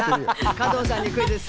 加藤さんにクイズッス。